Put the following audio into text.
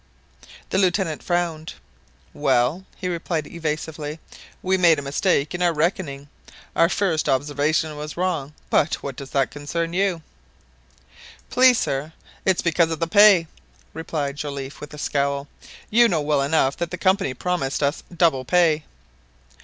The Lieutenant frowned. "Well," he replied evasively, "we made a mistake in our reckoning, ... our first observation was wrong; ... but what does that concern you?" "Please, sir, it's because of the pay," replied Joliffe with a scowl. "You know well enough that the Company promised us double pay."